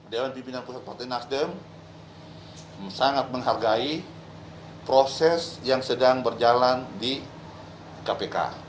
dewan pimpinan pusat partai nasdem sangat menghargai proses yang sedang berjalan di kpk